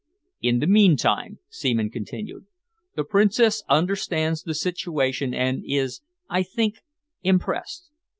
"In the meantime," Seaman continued, "the Princess understands the situation and is, I think, impressed.